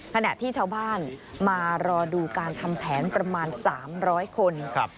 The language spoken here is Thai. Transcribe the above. ขณะที่ชาวบ้านมารอดูการทำแผนประมาณ๓๐๐คน